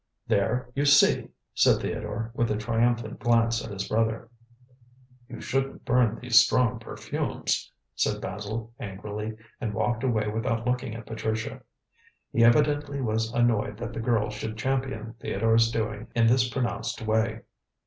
"There, you see," said Theodore, with a triumphant glance at his brother. "You shouldn't burn these strong perfumes," said Basil angrily, and walked away without looking at Patricia. He evidently was annoyed that the girl should champion Theodore's doings in this pronounced way.